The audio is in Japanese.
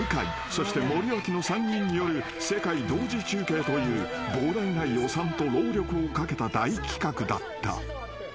そして森脇の３人による世界同時中継という膨大な予算と労力をかけた大企画だった］